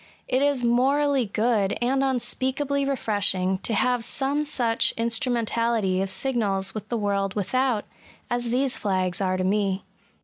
It is morally good, and unspeakably refreshing, to have some such instrumentality of signals with the world without, as these flags are to me.